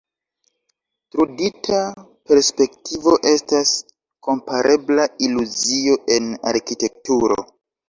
Trudita perspektivo estas komparebla iluzio en arkitekturo.